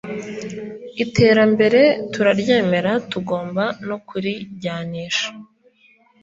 Iterambere turaryemera tugomba no kurijyanisha